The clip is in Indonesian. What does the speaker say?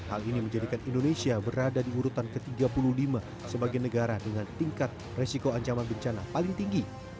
hal ini menjadikan indonesia berada di urutan ke tiga puluh lima sebagai negara dengan tingkat resiko ancaman bencana paling tinggi